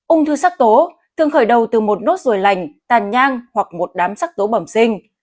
ung thư sắc tố thường khởi đầu từ một nốt ruồi lành tàn nhang hoặc một đám sắc tố bẩm sinh